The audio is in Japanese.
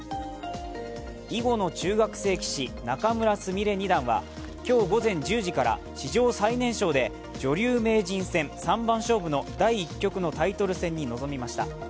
囲碁の中学生棋士、仲邑菫二段は、今日午前１０時から史上最年少で女流名人戦三番勝負の第１局のタイトル戦に臨みました。